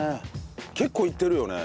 結構行ってるよね？